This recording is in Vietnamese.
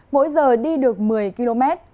mỗi giờ đi được một mươi km